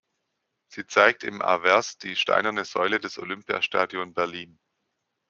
Sie zeigt im Avers die steinerne Säule des Olympiastadion Berlin.